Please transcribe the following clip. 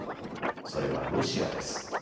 それはロシアです。